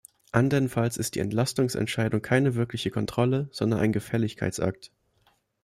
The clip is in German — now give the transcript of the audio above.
Andernfalls ist die Entlastungsentscheidung keine wirkliche Kontrolle, sondern ein Gefälligkeitsakt.